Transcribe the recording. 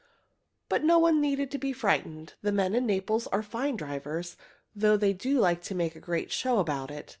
But no one needed to be frightened. The men in Naples are fine drivers, though they do like to make a great show about it.